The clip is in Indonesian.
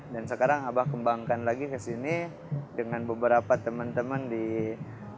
dan sekarang abah kembangkan lagi ke sini dengan beberapa teman teman di pemerintah